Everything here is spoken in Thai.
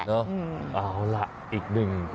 เอาล่ะอีกหนึ่ง